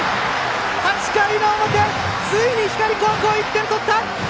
８回表でついに光高校が１点取った！